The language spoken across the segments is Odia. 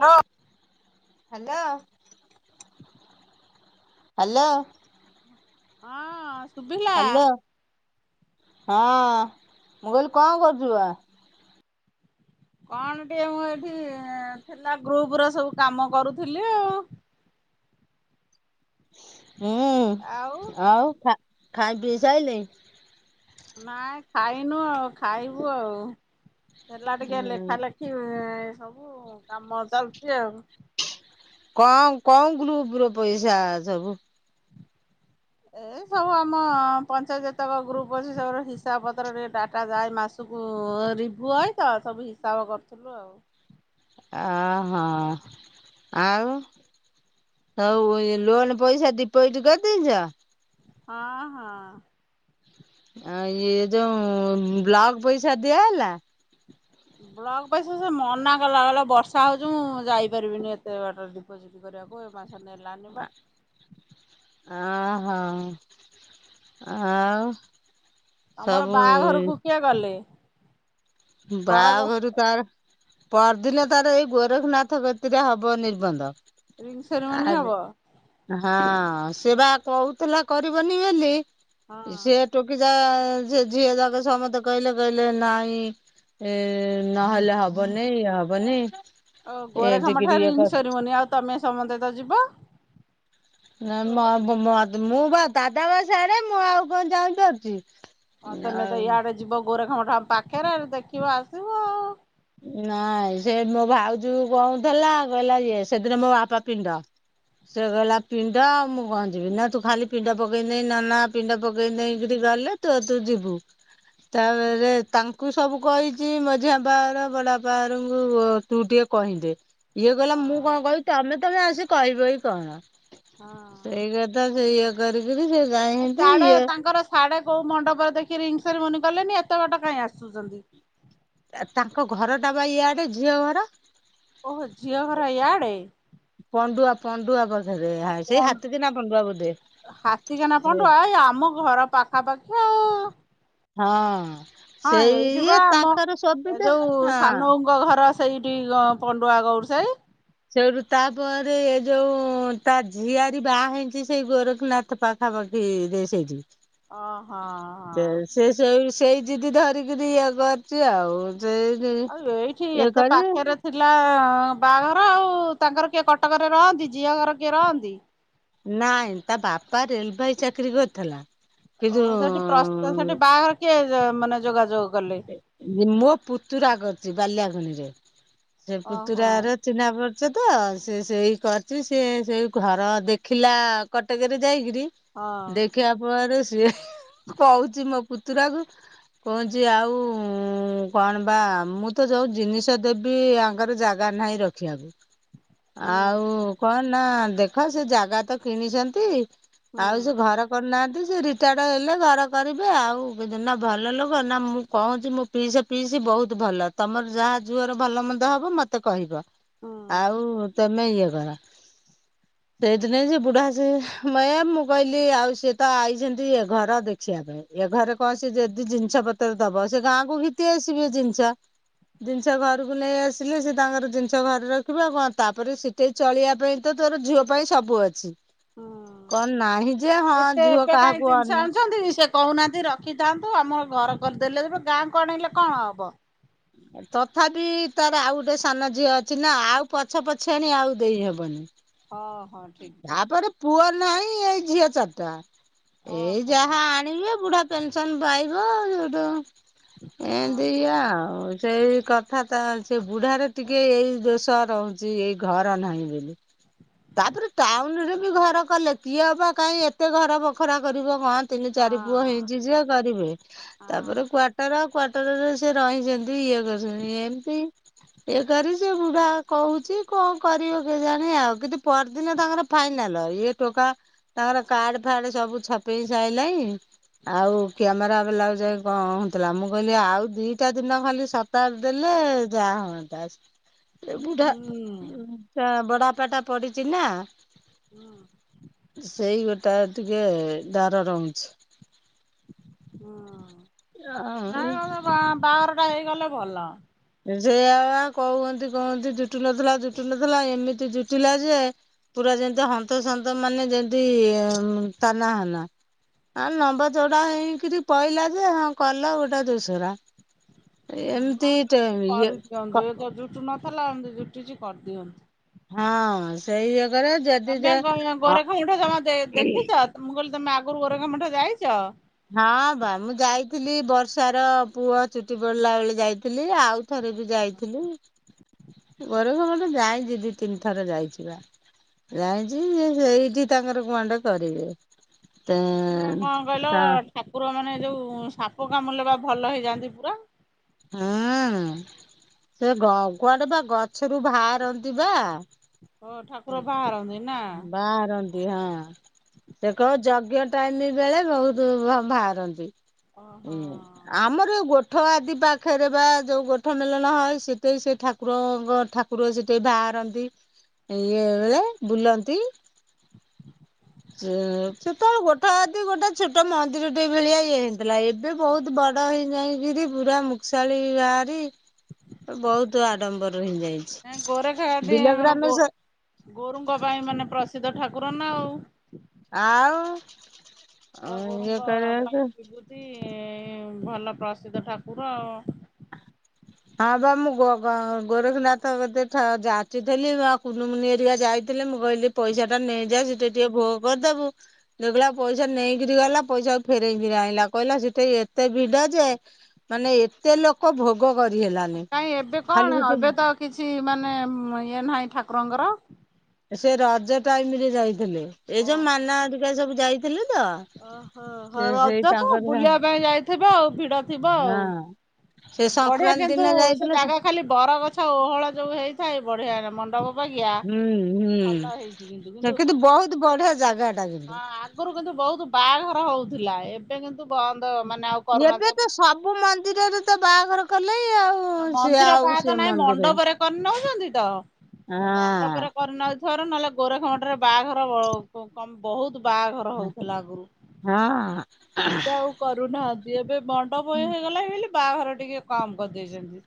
ହଲୋ। ହାଲୋ। ହାଲୋ। ହଁ ସୁଭିଲା। ହଁ ମୁଁ କହିଲି କଣ କରୁଚୂ ବା। କଣ ଟିକେ ମୁଁ ଏଠି ଥିଲା ଗ୍ରୁପ ର ସବୁ କାମ କରୁଥିଲି ଆଉ। [inaudible] ହୁଁ ଆଉ ଆଉ ଖା-ଖାଇ ପିଇ ସାଇଲେ। ନାଇଁ ଖାଇନୁ ଆଉ ଖାଇବୁ ଆଉ। ହେଲା ଟିକେ ହୁଁ ଲେଖା ଲେଖି ସବୁ କାମ ଚାଲିଚି ଆଉ। କ‌ଅଁ କ‌ଅଁ ଗ୍ରୁପ୍ ର ପଇସା ସବୁ। ଏ ସବୁ ଆମ ପଞ୍ଚାୟତ ଯେତକ ଗ୍ରୁଫ ଅଛି ସବୁ ହିସାବ ପତ୍ର ଡାଟା ଯାଏ ମାସକୁ। ହଁ ରିଭୁ ହବତ ସବୁ ହିସାବ କରିୁଥିଲୁ ଆଉ। [inaudible] ଓହ ଆଉ। ହୋଉ ଏ ଲୋନ ପଇସା ଡିପୋଜିିଟ କରିଦେଇଚ। ହଁ ହଁ। ଆଉ ଇଏ ଯୋଉ ବ୍ଲକ ପଇସା ଦିଆହେଲା? ବ୍ଲକ ପଇସା ସେ ମନା କଲା କହିଲା ବର୍ଷା ହୋଉଚି ମୁଁ ଯାଇପାରିବିନି ଏତେ ବାଟ ଡିପୋଜିଟ୍ କରିବାକୁ ଏ ମା ଆ ଆଁ ହଁ ଆଉ। ତମର ସବୁ ବାହାଘରକୁ କିଏ ଗଲେ? ବର ଗ ବାହାଘରୁ ତାର ପରଦିନ ତାର ଏଇ ଗୋରଖନାଥ କତିରେ ହବ ନିର୍ବନ୍ଧ। ରିଙ୍ଗ ସେରିମନି ହବ ଆଜି ହଁ। ହଁ ସେ ବା କୋହୁଥିଲା କରିବନି ବୋଲି ହଁ ସେ ଟୋକି ଯା ସେ ଝିଅ ଯାକ ସମସ୍ତେ କହିଲେ କହିଲେ ନାଇଁ ଏ ନହେଲେ ହବନି ଇଏ ହବନି। ଓ ଏମିତିକିରି ଗୋରେଖମଠାରେ ଇଏ ରିଙ୍ଗ ସେରିମନି ଆଉ ତମେ ସମତେ ତ ଯିବ? ନା ମ-ମଦ ମୁଁ ବା ଦାଦା ବା ସିଆଡେ ମୁଁ ଆଉ କଣ ଜାଇପାରୁଚି। ହଁ ତମେ ତ ଇଆଡେ ଯିବ ଗୋରେଖମଠ ପାଖରେ ଦେଖିବ ଆସିବ ଆଉ। ନାଇଁ ସେ ମୋ ଭାଉଜ‌କୁ କୋହୁଥିଲା କହିଲା ଏ ସେଦିନ ମୋ ବାପା ପିଣ୍ଡ। ସେଗଲା ପିଣ୍ଡ ଆଉ ମୁଁ କଣ ଜିବି ନା ତୁ ଖାଲି ପିଣ୍ଡ ପକେଇଦେ ନନା ପିଣ୍ଡ ପକେଇ ଦେଇକିରି ଗଲେ ତୋର ତୁ ଯିବୁ ତାପରେ ତାଙ୍କୁ ସବୁ କହିଚି ମଝିଆ ବା ର ବଡ ବାପାରଙ୍କୁ ତୁ ଟିକେ କହିଦେ ଇଏ କହିଲା ମୁଁ ଆଉ। କଣ କହିବି ତମେ ତମେ ଆସି କହିବି କି କଣ। ହଁ। ସେଇୟା କରିକିରି ସେ ଯାଇଛନ୍ତି ସାଡେ ଇଏ ତାଙ୍କର ସାଡେ କୋଉ ମଣ୍ଡପରେ ଦେଖି ରିଙ୍ଗ ସେରିମନି କଲେନି ଏ ଏତେ ବାଟ କାଇଁ ଆସୁଚନ୍ତି। ତାଙ୍କ ଘର ଟା ବା ଇଆଡେ ଝିଅ ଘର। ଓହୋ ଝିଅ ଘର ଇଆଡେ। ପଣ୍ଡୁଆ ପଣ୍ଡୁଆ ପାଖରେ ହା ସେଇ ହାତୀଦିନା ପଣ୍ଡୁଆ ବୋଧେ ହାତୀକାନା ସେ ପଣ୍ଡୁଆ ଏଇ ଆମ ଘର ପାଖାପାଖି ଆଉ। ହଁ ହଁ ସେଇ ଏଉଠୁ ଇଏ ପା ଆମ ତାଙ୍କର ଏ ସୁବିଧା ଯୋଉ ହଁ ସାନବୋଉଙ୍କ ଘର ସେଇଠି ପଣ୍ଡୁଆ ଗୌଡସାଇ। ସେଇଠୁ ତାପରେ ଏ ଯୋଉ ତା ଝିଆର ବାହା ହେଇଚି ସେଇ ଗୋରଖନାଥ ପାଖା ପାଖି ଯେ ସେଇଟି। ଓ ହ ହଁ। ସେଇ ସେଇ ଯିଦି ଧରିକିରି ଇଏ କରିୁଚି ଆଉ। ସେ ଇଏ ଆଲୋ ଏଇଠି ଏତେ କରି ପାଖରେ ଥିଲା। ହଁ ବାହାଘର ଆଉ ତାଙ୍କର କିଏ କଟକରେ ରହନ୍ତି। ଝିଅ ଘର କିଏ ରହନ୍ତି? ନାଇଁ ତା ବାପା ରେଲବାଇ ଚାକିରି କରିୁଥିଲା। ଓହୋ ସେଠି ପ୍ରସ୍ତ ସେଠି ବାହାଘର କିଏ ମାନେ ଯୋଗାଯୋଗ କଲେ ମୋ ପୁତୁରା କରିଚି ବାଲିୟାପାଣିରେ। ସେ ଓହୋ ପୁତୁରାର ଚିହ୍ନାପଚ ଚ, ତ ସେ ସେଇ କରିଛି, ସେ ସେଇ ଘର ଦେଖିଲା କଟକରେ ଯାଇକିରି, ହଁ ଦେଖିବା ପରେ ସେ ସିଏ କହୁଛି ମୋ ପୁତୁରାକୁ, କହୁ ଯେ ଆଉ, କଣ ବା, ମୁଁ ତ ଯେଉଁ ଜିନିଷ ଦେବି, ଆଙ୍କର ଜାଗା ନାହିଁ ରଖିବାକୁ। ହୁଁ ଆଉ, କଣ ନା ଦେଖ ସେ ଜାଗା ତ କିଣିଛନ୍ତି। ଆଉ ହୁଁ ସେ ଘର କରିନାହାନ୍ତି ।ସେ ରିଟାୟାର୍ଡ ହେଲେ ଘର କରିବେ, ଆଉ ନା ଭଲ ଲୋକ ନା ମୁଁ କହୁଛି, ମୋ ପିଇସା, ପିଇସି ବହୁତ ଭଲ। ତମର ଯାହା ଝୁଅର ଭଲ ମନ୍ଦ ହବ ମତେ କହିବ। ହୁଁ ଆଉ, ତମେ ଇଏ କର। ସେଇଠି ନାକି ସେ ବୁଢା ସେ, ମାଡାମ ମୁଁ କହିଲି ଆଉ, ସିଏ ତ ଆଇଛନ୍ତି ଘର ଦେଖିବା ପାଇଁ। ଏ ଘରେ କୌଣସି ଯଦି ଜିନିଷ ପତ୍ର ଦବ, ସେ ଗାଁକୁ ଘିତି ଆସିବେ ଜିନିଷ। ଜିନିଷ ଘରକୁ ନେଇ ଆସିଲେ, ସେ ତାଙ୍କର ଜିନିଷ ଘରେ ରଖିବ, ଆଉ କଣ ତାପରେ ସିଠେଇ ଚଳିବା ପାଇଁ ତ ତୋର ଝିଅ ପାଇଁ, ସବୁ ଅଛି। ହୁଁ। କଣ ନାହିଁ ଯେ, ହଁ ଏତେ ଝୁଅ ଏବେ କାହିଁ କାହାକୁ ଜିନିଷ ଆନେ ଆଣୁଛନ୍ତି କି ସେ କହୁନାହାନ୍ତି ରଖିଥାନ୍ତୁ, ଆମ ଘର କରିଦେଲେ, ଏବେ ଗାଁକୁ ଆଣେଇଲେ କଣ ହବ। ତଥାପି ତାର, ଆଉ ଗୋଟେ ସାନ ଝିଅ ଅଛି ନା। ଆଉ ପଛ, ପଛିଆଣି ଆଉ ଦେଇହବନି। ହଁ ହଁ ଠିକ ଠିକ ତାପରେ ପୁଅ ନାହିଁ, ଏଇ ଝିଅ ଚାରିଟା। ଏଇ ଓହୋ। ଯାହା ଆଣିବେ, ବୁଢା ପେନସନ ପାଇବ। ସେଉଠୁ ଓହୋ ଏମତିଆ ଆଉ ସେଇ କଥା ତା ସେ ବୁଢାର ଟିକେ ଏଇ ଦୋଷ ରହୁଛି ।ଏଇ ଘର ନାହିଁ ବୋଲି। ତାପରେ ଟାଉନ ରେ ବି ଘର କଲେ, କିଏ ଅବା କାହିଁ ଏତେ ଘର ବଖରା କରିବ କହନି? ତିନି ଚାରି ପୁଅ ହଁ ହେଇଛି, ଯେ କରିବେ। ତାପରେ ହଁ କ୍ଵାଟର, କ୍ଵାଟରରେ ସେ ରହିଛନ୍ତି। ଦିଇ, ଇଏ କରିଛନ୍ତି ।ଏମିତି ଏ କରି ସେ ବୁଢା କହୁଛି, କଣ କରିବ କେଜାଣି ଆଉ କିନ୍ତୁ ପହରଦିନ ତାଙ୍କର ଫାଇନାଲ। ଏ ଟୋକା ତାଙ୍କର କାର୍ଡ, ଫାର୍ଡ ସବୁ ଛପେଇ ସାଇଲାଣି। ଆଉ କ୍ୟାମେରା ବଲାକୁ ଯାଇ କଣ, କହୁଥିଲା ।ମୁଁ କହିଲି ଆଉ ଦିଟା ଦିନ ଖାଲି ସତାର ଦେଲେ ଏ ଯା ହୁଅନ୍ତା। ଏ ବୁଢା, ହୁଁ ତା ବଡ଼ବାପା ଟା ପଡିଛି ନା। ସେଇ ଗୋଟେ ତାର ଟିକେ ଡର ରହୁଛି। ହଁ, ଆଉ ନାଇ ମ ସେ ବା-ବାହାଘର ଟା ହେଇଗଲେ ଭଲ। ସେଇଆ ବା କହୁହନ୍ତି ।କହନ୍ତି ଜୁଟୁ ନଥିଲା, ଜୁଟୁ ନଥିଲା, ଏମିତି ଜୁଟିଲା ଯେ ପୁରା ଯେମିତି ହନ୍ତସନ୍ତ ।ମାନେ ଯେମତି ତାନା ହୋନା। ହଁ ଲମ୍ବା ଚଉଡା ହେଇକିରି ପଇଲା ଯେ, ହଁ କଲ ଗୋଟେ ଦୋସରା। ଏମିତି ହୁଁ ଇଏ କରିଦିଅନ୍ତୁ। ଏ ତ ଜୁଟୁ ନଥିଲା, ଏମତି ଜୁଟିଛି କରିଦିଅନ୍ତୁ। ହଁ ସେଇଆ। ତମେ ଗୟା-ଗୋରଖା ମୁଠା ତମେ ଦେ-ଦେଖିଛ? ମୁଁ କହିଲି ତମେ ଆଗରୁ ଗୋରଖା ମୁୁଠା ଯାଇଛ? ହଁ ବା ମୁଁ ଯାଇଥିଲି। ବର୍ଷାର, ପୁଅ ଚୁଟି ପଡିଲା ବେଳେ ଯାଇଥିଲି। ଥିଲି। ଆଉ ଥରେ ବି ଯାଇଥିଲି। ଗୋରାଖ ଯାଇଛି ।ଦି, ତିନି ଥର ଯାଇଛି ବା। ଜାଇଛି ଯେ ସେଇଠି ତାଙ୍କର କୁଆଡ଼େ କରିବେ। ତ ତ ଠାକୁର ମାନେ ଯୋଉ, ସାପ କାମୁଡ଼ିଲେ ବା ଭଲ ହେଇଯାଆନ୍ତି ପୁରା? ହଁ। ସେ ଗ-କୁଆଡେ ବା ଗଛରୁ ବାହାରନ୍ତି ବା। ହ, ଠାକୁର ବାହାରନ୍ତି? ନା ବାହାରନ୍ତି ହଁ, ସେ କୋଉ ଯ ଯଞ ଟାଇମ ବେଳେ ବହୁତ ବା-ବାହାରନ୍ତି। ଓହୋ। ହୁଁ ଆମର ଗୋ ଠ ଆଦି ପାଖରେ ବା, ଯୋଉ ଗୋଠ ମେଲଣ ହଏ, ସେଠେଇ ସେ ଠାକୁରଙ୍କ ଠାକୁର ସେଠି ବାହା ରନ୍ତି ।ଇଏ ବଳେ ବୁଲନ୍ତି। ସେତେବେଳେ ଗୋଠାଆଦି ଗୋଟେ ଛୋଟ ମନ୍ଦିର ଟିଏ ଭଳିଆ ଇଏ ଥିଲା ଏବେ ବହୁତ ବଡ ହେଇ ଯାଇକିରି ପୁରା ମୁଖସାଳି ବାହାରି ବହୁତ ଆଡମ୍ବର। ହେଇଯାଇଛି। ଗୋରେଖ ଆଦି ବିଲ ଆମର ଗୋ ଗ୍ରାମେଶ ଗୋରୁଙ୍କ ପାଇଁ ମାନେ ପ୍ର ପ୍ରସିଦ୍ଧ ଠାକୁର ନା ଆଉ। ଆଉ। ପୁରା ଇଏ ଗୋରୁଙ୍କ ଅ କରିବାକୁ ବିଭୂତି ଇ ଭଲ ପ୍ରସିଦ୍ଧ ଠାକୁର ଆଉ। ହଁ ବା ମୁଁ ଗୋ ଗୋ ଗୋ ଗୋରଖନାଥ କତି ଯାଚିଥିଲି ଆ କୁନୁମୁନି ହରିଆ ଯାଇଥିଲି। ମୁଁ କହିଲି ପଇସା ଟା ନେଇଯା ସିଟି ଟିକେ ଭୋଗ କରିଦେବୁ ଯେଗଆ ପଇସା ନେଇକରି ଗଲା ପଇସା ଫେରଇକିରି ଆଣିଲା କହିଲା ସେଠା ଏତେ ଭିଡ ଯେ ମାନେ ଏତେ ଲୋକ ଭୋଗ କରିହେଲାନି କାଇହିଁ ଏବେ ଖାଲି କଣ ସେଠି ଏବେ ତ କିଛି ମାନେ ଇଏ ନାହିଁ ଠାକୁରଙ୍କର ସେ ରଜ ଟାଇମରେ ଯାଇଥିଲେ, ଏଇ ଯୋଉ ମାନା ଓହୋ। ହରୀକା ସବୁ ଯାଇଥିଲେ। ତ ଓହୋ ହ ସେ ସେଇ ରଜ ତ ତାଙ୍କର ବୁଲିବା ପାଇଁ ଯାଇଥିବ ଆଉ ଭିଡ ଥିବ ଆଉ। ହଁ ସେ ବଢିଆ ସଂକ୍ରାନ୍ତି କିନ୍ତୁ ଦିନ ସେ ଯାଇଥିଲେ ଜାଗା ଖାଲି ବରଗଛ ଓହଳ ଯୋଉ ହେଇଥାଏ ବଢିଆ ମଣ୍ଡପ ବାଗିଆ ହୁଁ ହୁଁ ସେ କିନ୍ତୁ ବହୁତ ବଢିଆ ଜାଗା। ଟା କିନ୍ତୁ ହଁ ଆଗରୁ କିନ୍ତୁ ବହୁତ ବାହାଘର ହଉଥିଲା ଏବେ କିନ୍ତୁ ବନ୍ଦ ମାନେ ଆଉ ଏବେ ତ କରୁନାହାନ୍ତି। ସବୁ ମନ୍ଦିରରେ ତ ବାହାଘର କଲେ। ଆଉ ନା ସିଏ ମନ୍ଦିର ଆଉ ପାହା ତ ସେ ନାହିଁ ମନ୍ଦିର ମଣ୍ଡପରେ କରି ନଉଚନ୍ତି ତ ମଣ୍ଡପରେ କରି ନଉ ଥର ନହେଲେ ଗୋରଖ ମଟରେ ବାହାଘର ବହୁତ ବାହାଘର ହଁ ହଉଥିଲା ଆଗରୁ ହଁ ଏବେ ଆଉ କରୁନାହାନ୍ତି। ଏବେ ବଣ୍ଡପ ହେଇଗଲା ବୋଲି ବାହାଘର ଟିକେ କମ୍ କରିଦେଇଚନ୍ତି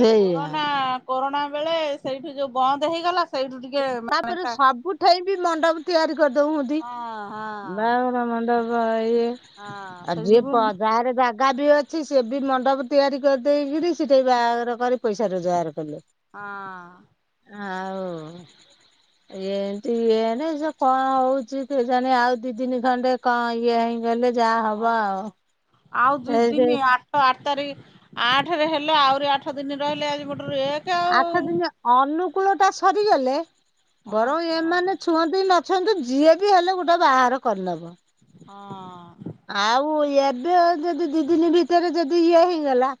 ଏଇ କୋରୋନା କରୋନା ବେଳେ ସେଇଠି ଯୋଉ ବନ୍ଦ ହେଇଗଲା। ସେଇଠୁ ଟିକେ ମାନେ ତାପରେ ହଁ ସବୁଠାଇ ବି ମଣ୍ଡପ ତିଆରି। କରିଦଉଚନ୍ତି ହଁ ବାହାଘର ମଣ୍ଡପ। ଏ ହଁ ଆଉ ସେ ଯିଏ ଯୋଗୁ ପଦା ଗାଁ ରେ ଜା ଗା ବି ଅଛି ସିଏ ବି ମଣ୍ଡପ ତିଆରି କରିଦେଇକରି ସେଠି ବାଘର କରି ପଇସା ରୋଜଗାର କଲେ। ହଁ। ହଉ। ଏମତି ଇଏ ନାଇ ସେ କଣ ହଉଚି କେଜାଣେ ଆଉ ଦି ଦିନି ଖଣ୍ଡେ କଣ ଇଏ ହେଇଁଗଲେ ଯାହା ହବ ହଁ ଆଉ। ଆଉ ଦିଇ ଏ ସେ ଦିନ ଆଠ ଆଠ ତାରିଖ ଆଠରେ ହେଲା ଆହୁରି ଆଠ ଦିନ ରହିଲେ ଆଜି ଗୋଟେ ଆଠ ଦିନ ଅନୁକୂଳ ଟା ସରିଗଲେ ହଁ ବରଂ ଏମାନେ ହଁ ଛୁଅନ୍ତି ନ ଅଛନ୍ତୁ ଯିଏ ବି ହେଲେ ଗୋଟେ ବାହାଘର କରିଦବ ହଁ ଆଉ ଏ ଏବେ ଯଦି ଦି ଦିନ ଭିତରେ ଯଦି ଇଏ ହେଇଗଲା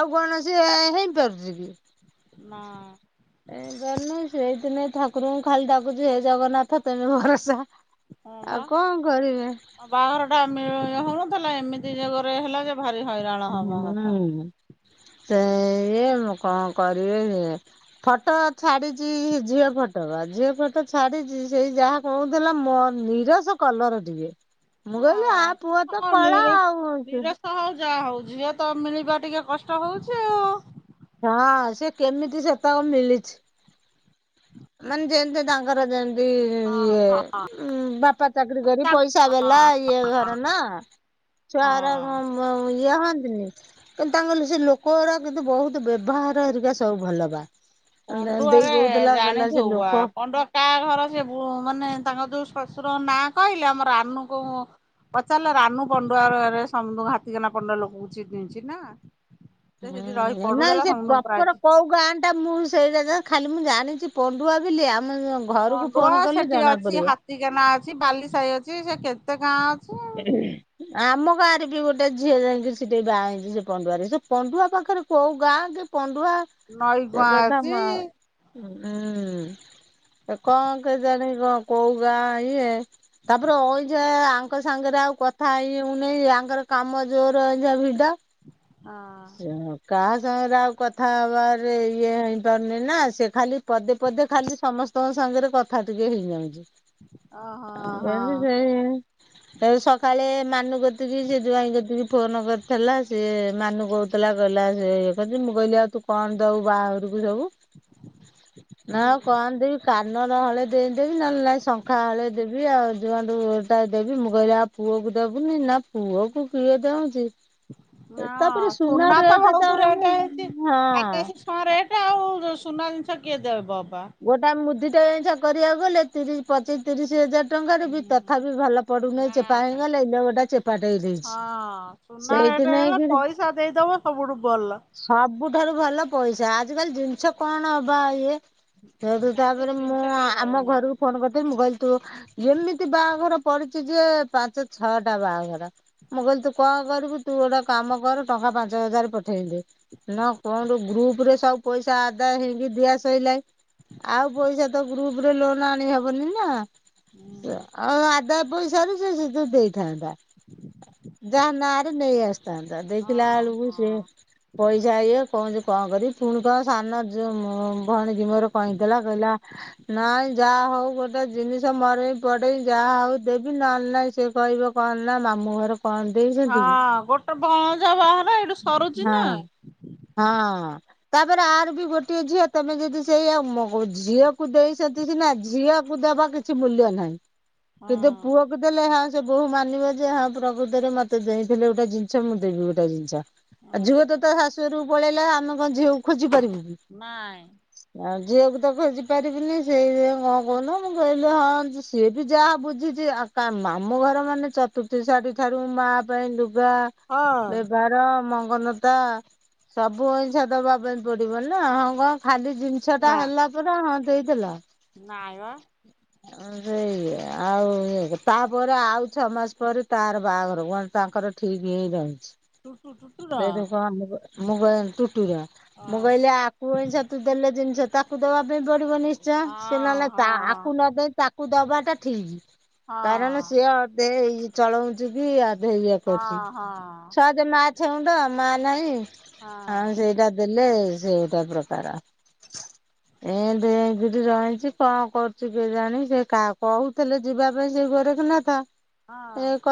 ଆଉ କଣ ଅ ସେ ହେଇପାରୁଚି କି? ନାଁ। ଏ ଜ ସେଇ ଦିନେ ଠାକୁରଙ୍କୁ ଖାଲି ଡାକୁଚି ହେ ଜଗନ୍ନାଥ ତମେ ଭରସା। ହଁ ବା ଆଉ କଣ କରିବେ? ଆ ବାହାଘର ଟା ମେ ହଉନଥିଲା ଏମିତି ଯୋଗରେ ହେଲା ଯେ ଭାରି ହଇରାଣ ହବା କଥା। ସେୟା ମୁଁ କଣ କରିବି ଫଟୋ ଛାଡିଚି ଝିଅ ଫଟୋ ଝିଅ ଫଟୋ ଛାଡିଚି ସେଇ ଯାହା କହୁଥିଲା ମୋ ନିରସ କଲର ଟିକେ। ମୁଁ କହିଲି ଆ ହଁ ପୁଅ ତ ହଁ କଳା ନିର ଆଉ ହଁ ନିରଶ ହଉ ଯାହା ହଉ ଝିଅ ତ ମିଳିବା ଟିକେ କଷ୍ଟ ହଉଚି ଆଉ। ହଁ ସେ କେମିତି ସେ ତକ ମିଳିଚି। ମାନେ ଯେମିତି ତାଙ୍କର ଯେମିତି ଇଏ ବାପା ଚାକିର କରି ହଁ। ପଇସା ବଲା ଇଏ ଘର ନା। ଛୁଆ ଘର ଉଁ ହଁ ୟେ ହଅନ୍ତ୍ ନି କିନ୍ତୁ ତାଙ୍କ ସେ ଲୋକ ଗୁରା କିନ୍ତୁ ବହୁତ ବ୍ୟବହାର ହେରିକା ସବୁ ଭଲ ବା। ଦେଇ କହୁଥିଲା। କହିଲା ସେ ଜାଣିଥଉ ବା, ଲୋକ ପଣ୍ଡ କା ଘର ସେ ମାନେ ତାଙ୍କ ଯୋଉ ନାଁ, କହିଲେ ଆମ ରାନୁକୁ ପଚାରିଲେ, ରାନୁ ପଣ୍ଡୁଆ ସମୁ ହାତିକନା ପଣ୍ଡୁଆ ଲୋକଙ୍କୁ ଚିହିଁଛି ନା ସେ ହୁଁ ସେଠି ରହି ନ ପଢୁଥିଲା ସେ ସମସ୍ତଙ୍କୁ ପ୍ରପର ପ୍ରାୟ କୋଉ ଗାଁ ଟା ମୁଁ ସେଇଟା ଖାଲି ମୁଁ ଜାଣିଛି, ପଣ୍ଡୁଆ ବୋଲି ଆ ପଣ୍ଡୁଆ ସେଠି ଅଛି, ହାତୀ କେନା ଅଛି, ବାଲି ସାହି ଅଛି, ସେ କେତେ ଗାଁ ଅ ଆମ ଗାଁ ରେ ବି ଗୋଟେ ଝିଅ ଯାଇକି ସେଠି ବାହା ହେଇଛି ସେ ପଣ୍ଡୁଆରେ, ସେ ପଣ୍ଡୁଆ ପାଖରେ କୋଉ ଗାଁ ବା ନଈ ସେ ଗୁଆଁ କଥା ଅଛି ମା ହୁଁ ଏ କଣ କେଜାଣି କଣ କୋଉ ଗାଁ ଇଏ, ତାପରେ ଅଇଛା ତାଙ୍କ ସାଙ୍ଗରେ ଆଉ କଥା ହେଇହଉନି, ୟାଙ୍କର କାମ ଜୋର ଏଇଗା ଭିଡ ହଁ ହ କା ସାଙ୍ଗରେ ଆଉ କଥା ହେବାରେ ଇଏ ହେଇପାରୁନି ନା, ସେ ଖାଲି ପଦେ ପଦେ ଖାଲି ସମସ୍ତଙ୍କ ସ ସାଙ୍ଗରେ କଥା ଟିକେ ହେଇଯାଉଛି। ଓହୋ ହଁ ଏତି ସେଇ ସେ ସକାଳେ ମା ନୁ କତିକି ସେ ଜ୍ୱାଇଁ କତିକି ଫୋନ କରିଥିଲା, ସେ ମାନୁ କହୁଥିଲା, କହିଲା -ସେ କଣତି ମୁଁ କହିଲି ଆଉ ତୁ କଣ ଦବୁ ବାହାର କୁ ସବୁ, ନା ହୁଁ କଣଦେମି, କାନର ହଳେ ଦେଇଦେବି, ନହେଲେ ନାଇଁ ଶଙ୍ଖା ହଳେ ଦେବି ଆଉ ଯୁଆଙ୍କୁୁୋଟା [unintelligible] ଦେବି, ମୁଁ କହିଲି ଆଉ ପୁଅକୁ ଦେବୁନି ନାଁ ନା ପୁଅ କୁ କିଏ ଦଉଛି? ତାପରେ ହଁ ସୁନା ତ ରେଟ୍ ବହୁତ ଏଇନା ରେଟ ହେଇଛି, ହଁ ଆକାଶ ଛୁଆ ରେଟ ଆଉ, ସୁ ସୁନା ଜିନିଷ କିଏ ଦେବ? ବା। ଗୋଟା ମୁଦିଟା ଅଇନିକା କରିବାକୁ ଗଲେ ତିରିଶ ପଚିଶ ତିରିଶ ହଜାର ଟଙ୍କାରେ ବି ହୁଁ ତଥାପି ଭଲ ପଡୁନହିଁ, ନା ଚେପା ହେଇଗଲେ, ଏଇ ଗୋଟା ଚେପାଟ ହେଇ ଯାଇଛି ସେଇ ସବୁଠୁ ଭଲ, ପଇସା ଦେଇଦବ, ସବୁଠୁ ଭଲ। ସବୁଠାରୁ ଭଲ ପଇସା, ଆଜିକାଲି ଜିନିଷ କଣ ହବା ଇଏ ସେଇଠୁ ଆଜି ତାପରେ ମୁଁ ଜିନିଷ କେହି ଆମ ଘରକୁ ଦଉନାହାନ୍ତି ଫୋନ କରିଦେବି ମୁଁ କହିଲି, ତୁ ଯେମିତି ବାହାଘର ପଡିଚି ଯେ -ପାଞ୍ଚ ଛଅଟା ବାହାଘର, ମୁଁ କହିଲି ତୁ କଣ କରିବୁ ତୁ ଗୋଟେ କାମ କରୁ ଟ ପାଞ୍ଚ ହଜାର ପ ଠେଇ ଦେ, ନା କଣୁ ଗ୍ରୁପ ରେ ସବୁ ପଇସା ଆଦା ହେଇକି ଦିଆ ସଇଲାଣି। ଆଉ ପଇସା ତ ଗ୍ରୁପରେ ଲୋନ ଆଣି ହବନି ନା, ହୁଁ ଆଉ ଆଦା ପଇସା ର ସେ ସେ ଯ ଦେଇଥାନ୍ତା, ଯାହା ନାଁ ରେ ନେଇ ଆସ ଥାନ୍ତା, ହଁ ଦେଖିଲା ବେଳକୁ ସିଏ ହଁ। ପଇସା ଇଏ କହୁଛି କଣ କରିମି? ପୁଣି କ ସାନ ଯୋ ଭଉଣୀ କି କହିଁଦେଲା, କହିଲା ନାଇଁ ଯା ହଉ ଗୋଟେ ଜିନିଷ ମର ପଡେଇ ଯାହା ହଉ ଦେବି, ନହେଲେ ନାହିଁ ସେ କହିବ କଣ ନା- ମାମୁ ଘର କଣ ଦେଇଛନ୍ତି କି? ହଁ ଗୋଟେ ଭଣଜା ବାହାହେଲା, ଏଇଠୁ ସରୁଛି ନା ହଁ। ହଁ, ତାପରେ ଆର ବି ଗୋଟିଏ ଝିଅ, ତମେ ଯଦି ସେଇଆଉ ଝିଅକୁ ଦେଇଛନ୍ତି ସିନା, ଝିଅକୁ ଦେବା କିଛି ମୂଲ୍ୟ ନାହିଁ। ହଁ କିନ୍ତୁ ପୁଅ କୁ ଦେଲେ ସେ ବୋହୁ ମାନିବ ଯେ -ହଁ ପ୍ରକୃତରେ ମତେ ଦେଇଥିଲେ ଗୋଟେ ଜିନିଷ ମୁଁ ଦେବି ଗୋଟେ ଜିନିଷ। ଆଉ ହଁ। ଝିଅ ତ ତା ଶାଶୁ ଘରକୁ ପଳେଇଲା, ଆମେ କଣ ଝିଅକୁ ଖୋଜି ପାରିବୁ କି? ନାଇଁ। ଆଉ ଝିଅକୁ ତ ଖୋଜି ପାରିବିନି, ସେଇଥି କଣ କହୁନୁ, ମୁଁ କହିଲି ହଁ ସିଏ ବି ଯାହା ବୁଝିଛି ଆଉ ତା ମାମୁ ଘର ମାନେ ଚତୁର୍ଥୀ ଶାଢୀ ଠାରୁ ମା ପାଇଁ ଲୁ ଗା ହଁ ବେଭାର ମ ନତା, ସବୁ ଅଇକା ଦବା ପାଇଁ ପଡିବନା, ହଁ କଣ ଖାଲି ଯି ଛଟା ନା। ହେଲା ପରେ ହଁ ଦେଇଥିଲା ନାଇଁ ବା ଆ ସେ। ଆଉ ଇ ତାପରେ, ଆଉ ଛଅ ମାସ ପରେ ତାର ବାହାଘର କଣ ତାଙ୍କର ଠିକ ହେଇଁ ରହିଛି। ଟୁଟୁ ଟୁଟୁ ର? ମୁଗ [unintelligible] ଇ ଟୁଟୁ ର। ମୁ କହିଲି ଆକୁ ଅଇଛା ଦେଲେ ଦେଲେ ଜିନିଷ ତାକୁ ଦେବା ପାଇଁ ପଡି ଡ଼ିବ ନିଶ୍ଚୟ। ହଁ ସେ ନହେଲେ ତ ଆକୁ ହଁ ନ ଦେଇ ତାକୁ ଦବାଟା ଠିକ୍। ହଁ କାରଣ ସିଏ ଆଉ [unintelligible] ଦେଇ ଚଳଉଛି କି ଆ ଇଏ ହଁ କରୁଛି ହଁ ସହଜ ମା ଛେଉଣ୍ଡ ମା ନାହିଁ। ହଁ ସେଇଟା ଦେଲେ ସିଏ ଗୋଟେ ପ୍ରକାର। ଏ ଦେଇକିରି ରହିଛି, କଣ କରୁଛି କେଜାଣି? ସେ କା କହୁଥିଲେ ଯିବା ପାଇଁ ସେ ଘରେ ରଖନା ଥା [unintelligible] ହଁ।